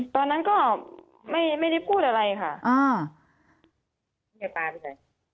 ตอนนั้นก็ไม่ได้พูดอะไรค่ะไม่ได้ปลาไปเลย